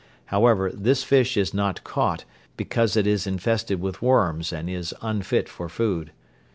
However, this fish is not caught, because it is infested with worms and is unfit for food.